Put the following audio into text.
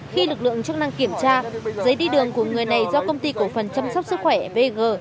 khi lực lượng chức năng kiểm tra giấy đi đường của người này do công ty cổ phần chăm sóc sức khỏe vg